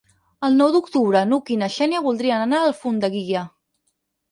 El nou d'octubre n'Hug i na Xènia voldrien anar a Alfondeguilla.